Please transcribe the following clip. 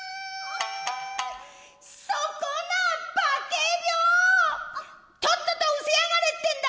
そこな化け猫とっとと失せやがれってんだ